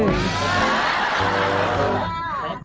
ดูทำลาย